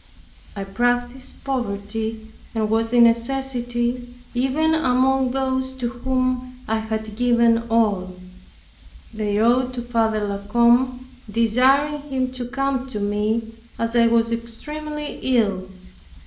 I practiced poverty and was in necessity even among those to whom I had given all. They wrote to Father La Combe, desiring him to come to me, as I was so extremely ill.